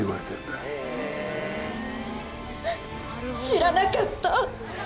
うっ知らなかった。